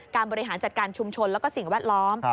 บริหารจัดการชุมชนแล้วก็สิ่งแวดล้อม